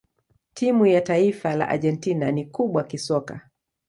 timu ya taifa la argentina ni kubwa kisoka